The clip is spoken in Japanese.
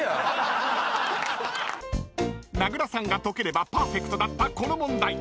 ［名倉さんが解ければパーフェクトだったこの問題］